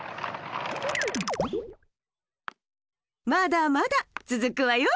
まだまだつづくわよ。